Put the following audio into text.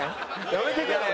やめてください。